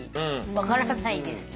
分からないですね。